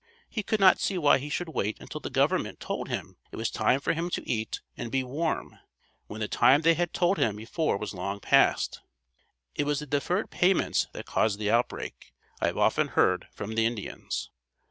He could not see why he should wait until the government told him it was time for him to eat and be warm, when the time they had told him before was long past. It was the deferred payments that caused the outbreak, I have often heard from the Indians.